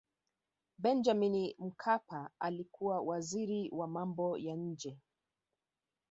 benjamini mkapa alikuwa waziri wa mambo ya nje